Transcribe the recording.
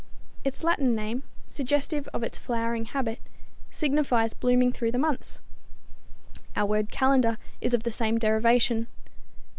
Its Latin name, suggestive of its flowering habit, signifies blooming through the months. Our word calendar is of the same derivation.